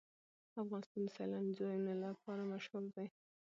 افغانستان د سیلانی ځایونه لپاره مشهور دی.